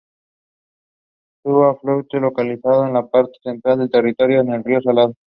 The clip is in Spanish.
Su afluente localizado en la parte central del territorio es el Río Salado.